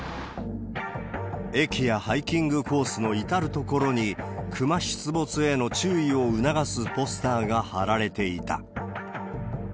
駅やハイキングコースの至る所に、クマ出没への注意を促すポスターが貼られていた。